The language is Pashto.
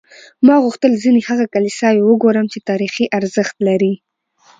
ما غوښتل ځینې هغه کلیساوې وګورم چې تاریخي ارزښت لري.